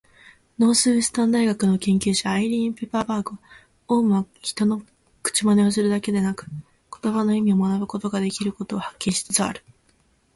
ノースウエスタン大学の研究者、アイリーン・ペパーバーグは、オウムは人の口まねをするだけでなく言葉の意味を学ぶことができることを発見しつつある。